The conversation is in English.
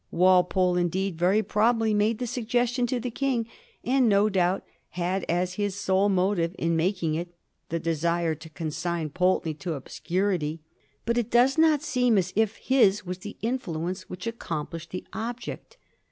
Walpole, indeed, very probably made the suggestion to the King, and no doubt had as his sole motive in making it the desire to consign Pulteney to obscurity; but it does not seem as if his was the influence which accomplished the object.